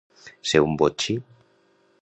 Ser un botxí.